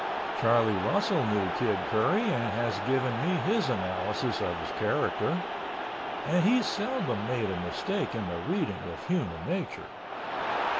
Charlie Russell knew Kid Curry and has given me his analysis of his character (and he seldom made a mistake in the reading of human nature).